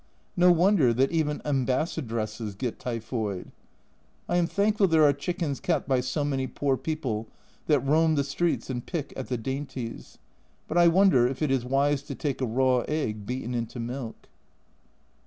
No wonder that even Ambassadresses get typhoid. I am thankful there are chickens kept by so many poor people, that roam the streets and pick at the dainties, but I wonder if it is wise to take a raw egg beaten into milk.